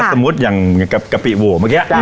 สมมติอย่างเมื่อกี้